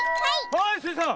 はいスイさん。